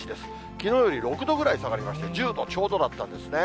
きのうより６度ぐらい下がりまして、１０度ちょうどだったんですね。